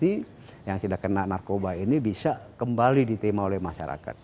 yang sudah kena narkoba ini bisa kembali diterima oleh masyarakat